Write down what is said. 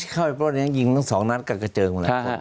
เข้าไปปลดนั้นยิงทั้ง๒นั๊ตกระเจิงเลย